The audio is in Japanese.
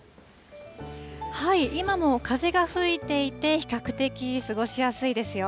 今も風が吹いていて、比較的過ごしやすいですよ。